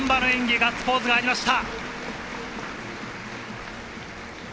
ガッツポーズがありました。